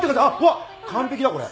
わっ完璧だこれ。